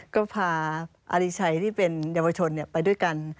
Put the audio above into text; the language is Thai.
ก็พาอาริชัยที่เป็นเยาวชนไปด้วยกัน